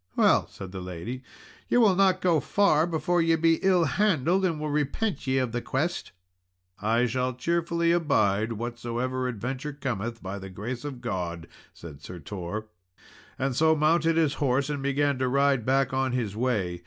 "Well" said the lady, "ye will not go far before ye be ill handled, and will repent ye of the quest." "I shall cheerfully abide whatsoever adventure cometh, by the grace of God," said Sir Tor; and so mounted his horse and began to ride back on his way.